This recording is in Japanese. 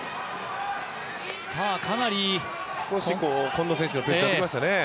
少し近藤選手のペースになってきましたね。